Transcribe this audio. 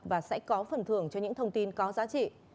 và sẽ có phần thưởng cho những thông tin có giá trị